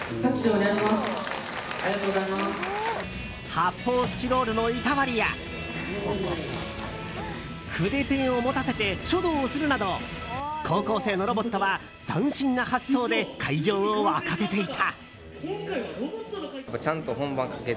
発泡スチロールの板割りや筆ペンを持たせて書道をするなど高校生のロボットは斬新な発想で会場を沸かせていた。